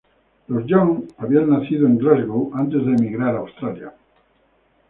Los Young habían nacido en Glasgow antes de emigrar a Australia.